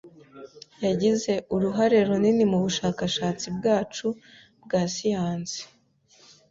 Yagize uruhare runini mubushakashatsi bwacu bwa siyansi.